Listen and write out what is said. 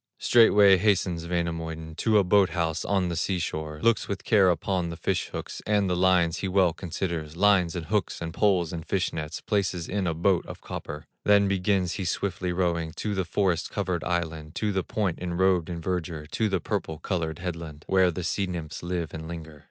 Straightway hastens Wainamoinen To a boat house on the sea shore, Looks with care upon the fish hooks, And the lines he well considers; Lines, and hooks, and poles, and fish nets, Places in a boat of copper, Then begins he swiftly rowing To the forest covered island, To the point enrobed in verdure, To the purple colored headland, Where the sea nymphs live and linger.